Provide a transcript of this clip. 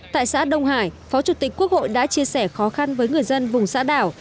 tại xã đông hải phó chủ tịch quốc hội đã chia sẻ khó khăn với người dân vùng xã đảo